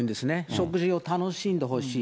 食事を楽しんでほしい。